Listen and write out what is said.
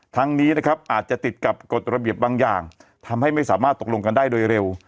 ทั้งนี้นะครับอาจจะติดกับกฎระเบียบบางอย่างทำให้ไม่สามารถตกลงกันได้โดยเร็ว